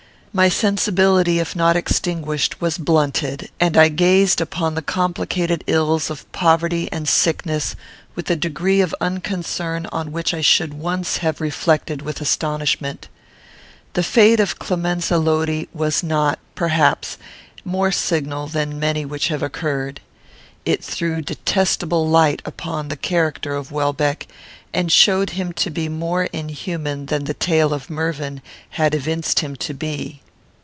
My sensibility, if not extinguished, was blunted; and I gazed upon the complicated ills of poverty and sickness with a degree of unconcern on which I should once have reflected with astonishment. The fate of Clemenza Lodi was not, perhaps, more signal than many which have occurred. It threw detestable light upon the character of Welbeck, and showed him to be more inhuman than the tale of Mervyn had evinced him to be.